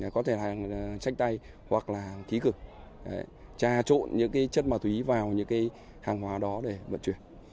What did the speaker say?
có thể là tranh tay hoặc là khí cực trà trộn những cái chất ma túy vào những cái hàng hóa đó để vận chuyển